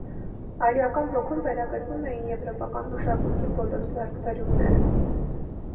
Արիական ոգուն վերագրվում էին եվրոպական մշակույթի բոլոր ձեռքբերումները։